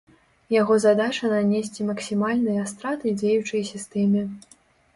Яго задача нанесці максімальныя страты дзеючай сістэме.